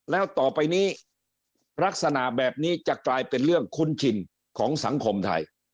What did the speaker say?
แล้วต่อไปนี้ลักษณะแบบนี้จะกลายเป็นเรื่องคุ้นชินของสังคมไทย